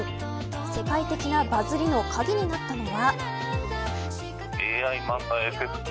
世界的なバズリの鍵になったのは。